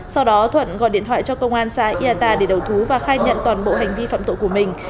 sau đó thuận gọi điện thoại cho công an xã iata để đầu thú và khai nhận toàn bộ hành vi phạm tội của mình